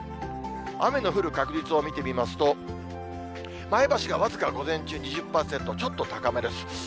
雨の降る確率を見てみますと、前橋が僅か、午前中２０％、ちょっと高めです。